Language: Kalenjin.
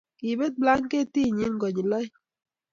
kibet blanketinyin konyil oeng'.